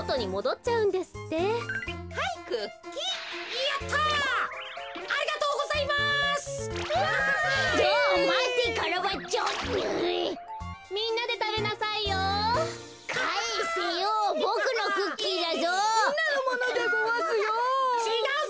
ちがうぞ。